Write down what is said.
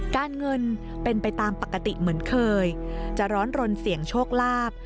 การเงินเป็นไปตามปกติเหมือนเคยจะร้อนรนเสี่ยงโชคลาภ